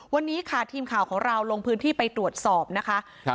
วันนี้ค่ะทีมข่าวของเราลงพื้นที่ไปตรวจสอบนะคะ